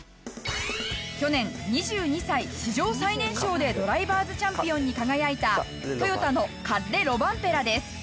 去年２２歳史上最年少でドライバーズチャンピオンに輝いたトヨタのカッレ・ロバンペラです